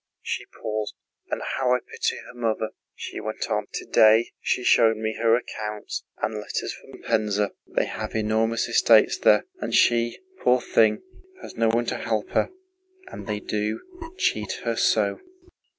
—she paused. "And how I pity her mother," she went on; "today she showed me her accounts and letters from Pénza (they have enormous estates there), and she, poor thing, has no one to help her, and they do cheat her so!"